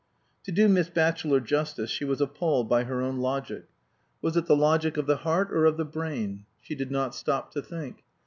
To do Miss Batchelor justice, she was appalled by her own logic. Was it the logic of the heart or of the brain? She did not stop to think.